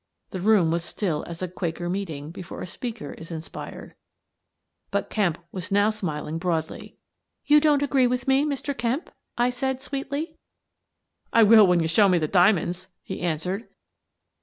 The room was still as a Quaker meeting before a speaker is inspired. But Kemp was now smiling broadly. 11 You don't agree with me, Mr. Kemp? " I asked, sweetly. The Last of It 259 " I will when you show me the diamonds," he answered.